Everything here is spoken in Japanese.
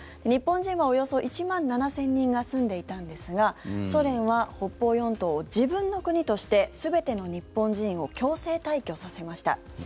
日本人はおよそ１万７０００人が住んでいたんですがソ連は北方四島を自分の国として全ての日本人を強制退去させました。